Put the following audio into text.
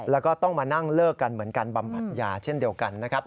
แล้วก็ต้องมานั่งเลิกกันเหมือนกันบำบัดยาเช่นเดียวกันนะครับ